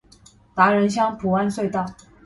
達仁鄉菩安隧道